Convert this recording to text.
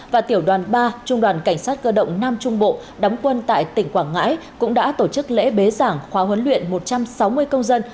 và tiểu đoàn ba trung đoàn cảnh sát cơ động nam trung bộ đóng quân tại tỉnh quảng ngãi cũng đã tổ chức lễ bế giảng khóa huấn luyện một trăm sáu mươi công dân